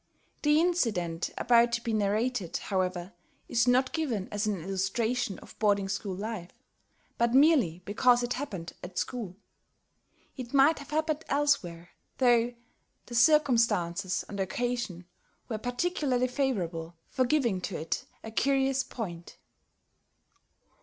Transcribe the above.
The incident about to be narrated, however, is not given as an illustration of boarding school life, but merely because it happened at school. It might have happened elsewhere, though the circumstances on that occasion were particularly favorable for giving to it a curious point.